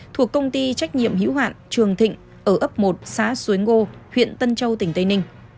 thuộc công ty trách nhiệm hữu hoạn trường thịnh ở ấp một xã xuối ngô huyện tân châu tỉnh tây ninh